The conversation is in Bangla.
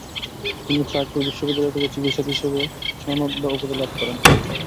তিনি স্ত্রাসবুর বিশ্ববিদ্যালয় থেকে চিকিৎসক হিসেবে সনদ বা উপাধি লাভ করেন।